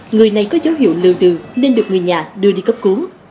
người này có dấu hiệu lưu tư nên được người nhà đưa đi cấp cứu